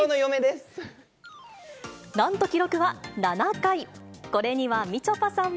なんと記録は７回。